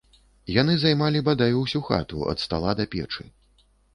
Яны займалі бадай усю хату ад стала да печы.